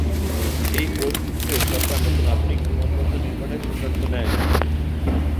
এই পরিস্থিতিতে সরকার নতুন আধুনিক বিমানবন্দর নির্মানের সিদ্ধান্ত নেয়।